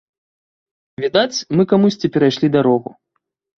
Відаць, мы камусьці перайшлі дарогу.